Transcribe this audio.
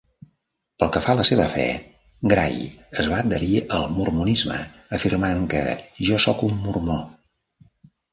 Pel que fa a la seva fe, Gray es va adherir al mormonisme afirmant que, jo sóc un mormó.